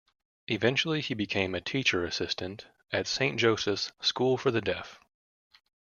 Eventually, he became a Teacher Assistant at Saint Joseph's School for the Deaf.